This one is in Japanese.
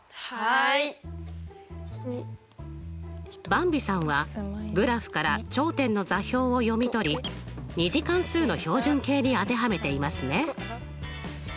ばんびさんはグラフから頂点の座標を読み取り２次関数の標準形に当てはめていますね。